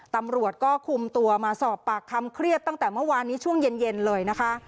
ตำรวจก็คุมตัวมาสอบปากคำเครียดตั้งแต่เมื่อวานนี้ช่วงเย็นเลยนะคะ